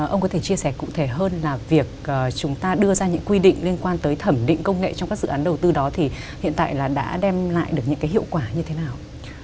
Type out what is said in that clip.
ông có thể chia sẻ cụ thể hơn là việc chúng ta đưa ra những quy định liên quan tới thẩm định công nghệ trong các dự án đầu tư đó thì hiện tại là đã đem lại được những cái hiệu quả như thế nào